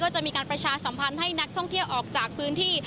จะมีการประชาสัมพันธ์ให้นักท่องเที่ยวออกจากพื้นที่